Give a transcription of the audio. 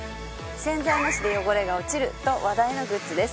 洗剤なしで汚れが落ちると話題のグッズです。